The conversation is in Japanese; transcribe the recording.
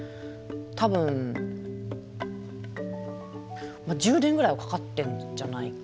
多分１０年ぐらいはかかってるんじゃないかな。